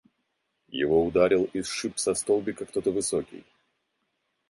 Его ударил и сшиб со столбика кто-то высокий.